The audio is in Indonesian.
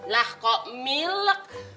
lah kok milk